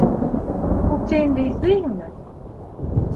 Күк тейенде иҫләйһеңме?